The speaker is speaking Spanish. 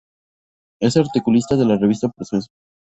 Es articulista de la revista Proceso.